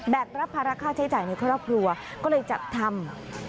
รับภาระค่าใช้จ่ายในครอบครัวก็เลยจัดทำ